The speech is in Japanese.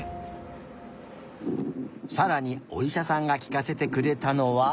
さらにおいしゃさんがきかせてくれたのは？